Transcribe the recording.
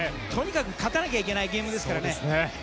とにかく勝たなきゃいけないゲームですからね。